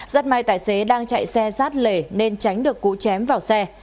rất may tài xế đang chạy xe rát lề nên tránh được cú chém vào xe